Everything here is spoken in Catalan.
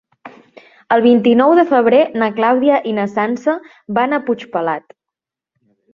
El vint-i-nou de febrer na Clàudia i na Sança van a Puigpelat.